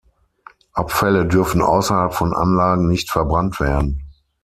Abfälle dürfen ausserhalb von Anlagen nicht verbrannt werden.